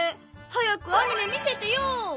早くアニメ見せてよ。